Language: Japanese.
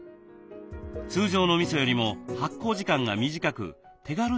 通常のみそよりも発酵時間が短く手軽に作れるそうです。